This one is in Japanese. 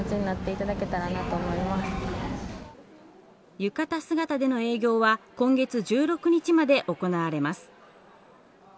浴衣姿での営業は今月１６日まで行われます。